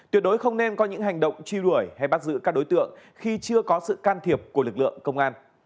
tuyệt đối không nên có những hành động truy đuổi hay bắt giữ các đối tượng khi chưa có sự can thiệp của lực lượng công an